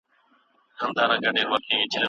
پوهولم دې،